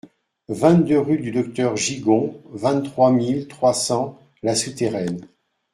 vingt-deux rue du Docteur Gigon, vingt-trois mille trois cents La Souterraine